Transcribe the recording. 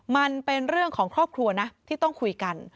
มันเป็นเรื่องของครอบครัวนะที่ต้องคุยกัน